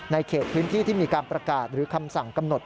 เขตพื้นที่ที่มีการประกาศหรือคำสั่งกำหนด